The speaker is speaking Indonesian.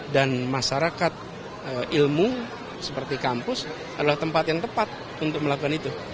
dan masyarakat ilmu seperti kampus adalah tempat yang tepat untuk melakukan itu